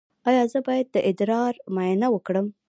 ایا زه باید د ادرار معاینه وکړم؟